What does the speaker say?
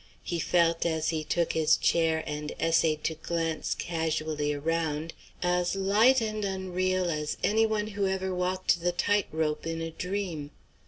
He felt, as he took his chair and essayed to glance casually around, as light and unreal as any one who ever walked the tight rope in a dream.